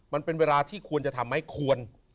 มันเป็นเวลาที่ควรจะทำไหมควร